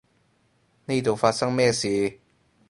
呢度發生咩事？